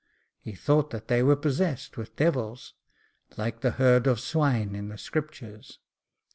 He thought that they were possessed with devils, like the herd of swine in the Scriptures.